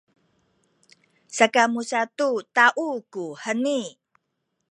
sakamu sa tu taw kuheni.